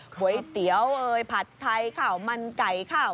ก๋วยเตี๋ยวผัดไทยข้าวมันไก่ข้าว